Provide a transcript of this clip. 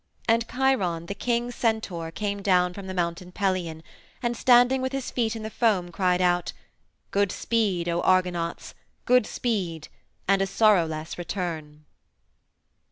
And Chiron, the king centaur, came down from the Mountain Pelion, and standing with his feet in the foam cried out, "Good speed, O Argonauts, good speed, and a sorrowless return."